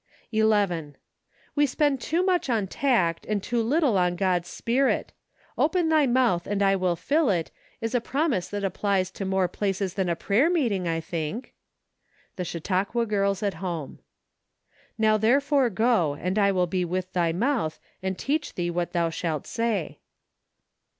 11. We depend too much on tact and too little on God's spirit. "Open thy mouth and I will fill it," is a promise that applies to more places than a prayer meeting, I think. The Chautauqua Girls at Home. " Now therefore go, and I will be with thy mouth , and teach thee ichat thou shalt say."